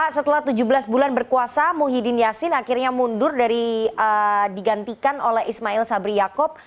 pak setelah tujuh belas bulan berkuasa muhyiddin yasin akhirnya mundur dari digantikan oleh ismail sabri yaakob